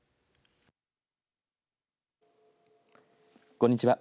こんにちは。